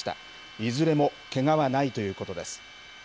いずれもけがはないということです。